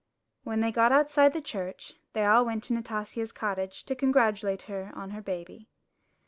When they got outside the church, they all went to Nastasia' s cottage to congratulate her on her baby.